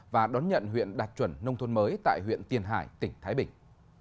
và đón nhận huyện đạt chuẩn nông thôn mới tại huyện tiền hải tỉnh thái bình